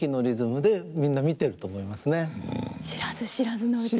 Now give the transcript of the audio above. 知らず知らずのうちに。